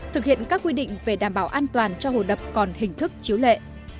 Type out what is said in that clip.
thực hiện các quy định về đảm bảo an toàn cho hồ đập còn hình thức chiếu lệ